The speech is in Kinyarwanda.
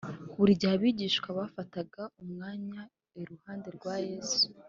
buri gihe abigishwa bafataga umwanya iruhande rwa yesu